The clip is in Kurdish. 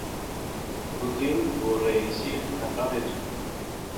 Putin û Reîsî li Tehranê civiyan.